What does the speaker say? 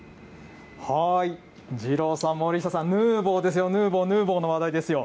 二郎さん、森下さん、ヌーボーですよ、ヌーボー、ヌーボーの話題ですよ。